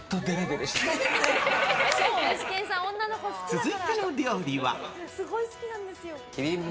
続いての料理は。